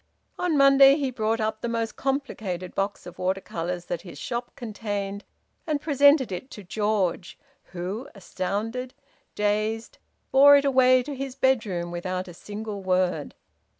On Monday he brought up the most complicated box of water colours that his shop contained, and presented it to George, who, astounded, dazed, bore it away to his bedroom without a single word.